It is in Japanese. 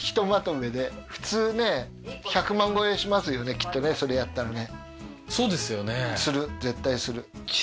きっとねそれやったらね